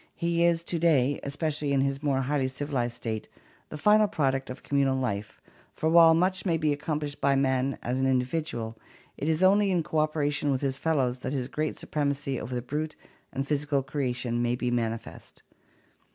He is to day, especially in his more highly civilized state, the final product of communal life, for while much may be accomplished by man as an individual, it is only in cooperation with his fellows that his great supremacy over the brute and physi cal creation may be manifest.